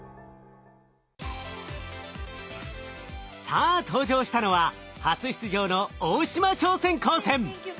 さあ登場したのは初出場の大島商船高専。